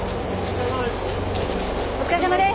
お疲れさまです。